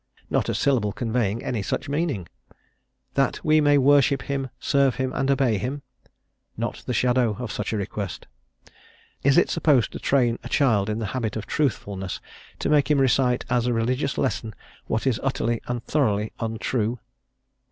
not a syllable conveying any such meaning: "that we may worship him, serve him, and obey him "? not the shadow of such a request. Is it supposed to train a child in the habit of truthfulness to make him recite as a religious lesson what is utterly and thoroughly untrue?